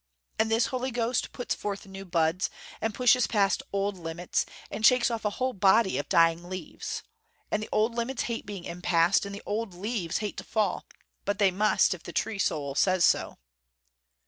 And this Holy Ghost puts forth new buds, and pushes past old limits, and shakes off a whole body of dying leaves. And the old limits hate being empassed, and the old leaves hate to fall. But they must, if the tree soul says so...."